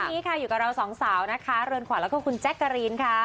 วันนี้ค่ะอยู่กับเราสองสาวนะคะเรือนขวัญแล้วก็คุณแจ๊กกะรีนค่ะ